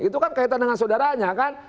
itu kan kaitan dengan saudaranya kan